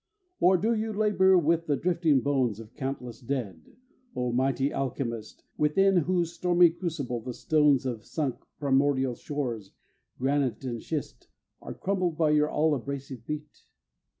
Or do you labour with the drifting bones Of countless dead, O mighty Alchemist, Within whose stormy crucible the stones Of sunk primordial shores, granite and schist, Are crumbled by your all abrasive beat?